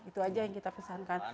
itu aja yang kita pesankan